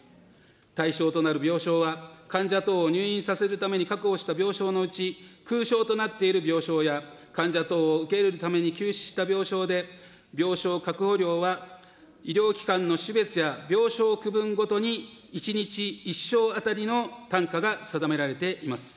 対象となる病床は患者等を入院させるために確保した病床のうち、空床となっている病床や、患者等を受け入れるために休止した病床で、病床確保料は医療機関の種別や病床区分ごとに１日１床当たりの単価が定められています。